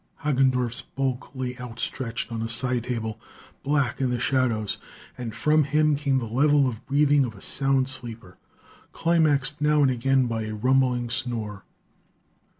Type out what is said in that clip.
Hagendorff's bulk lay outstretched on a side table, black in the shadows, and from him came the level breathing of a sound sleeper, climaxed now and again by a rumbling snore.